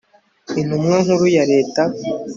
INTUMWA NKURU YA LETA